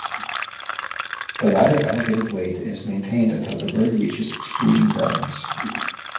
The latter elevated weight is maintained until the bird reaches its breeding grounds.